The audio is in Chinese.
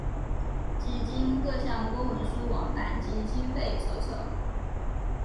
几经各项公文书往返及经费筹凑。